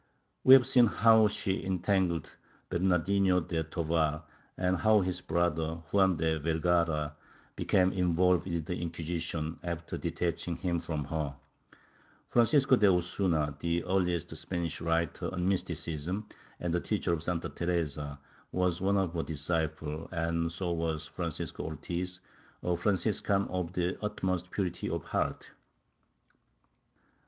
We have seen how she entangled Bernardino de Tovar and how his brother, Juan de Vergara, became involved with the Inquisition, after detaching him from her. Francisco de Osuna, the earhest Spanish writer on mysticism and the teacher of Santa Teresa, was one of her disciples and so was Francisco Ortiz, a Franciscan of the utmost pui'ity of heart.